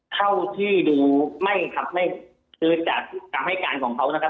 เท่าที่ดูไม่ครับไม่คือจากคำให้การของเขานะครับ